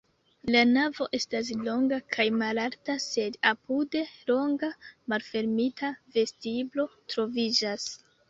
La navo estas longa kaj malalta, sed apude longa malfermita vestiblo troviĝas.